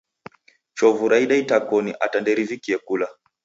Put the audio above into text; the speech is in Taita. Chovu raida itakoni ata nderivikie kula